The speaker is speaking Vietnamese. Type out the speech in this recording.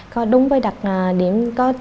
có đúng với đặc điểm